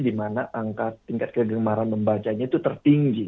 dimana angka tingkat kegemaran membacanya itu tertinggi